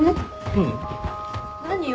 ううん。何よ。